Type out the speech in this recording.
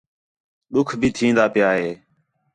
ݙُِکھ بھی تِھین٘دا پِیا ہِے